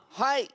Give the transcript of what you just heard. はい！